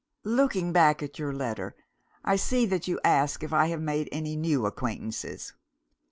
"Looking back at your letter, I see that you ask if I have made any new acquaintances.